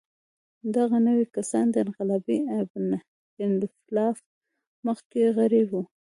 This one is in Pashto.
دغه نوي کسان د انقلابي اېتلاف مخکښ غړي وو.